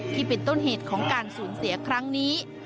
ที่เป็นต้นเหตุของการสูญเสียครั้งนี้